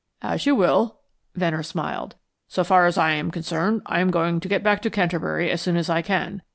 "As you will," Venner smiled. "So far as I am concerned, I am going to get back to Canterbury as soon as I can.